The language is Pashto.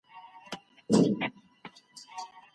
د قيامت په ورځ به چا ته سخت عذاب ورکړل سي؟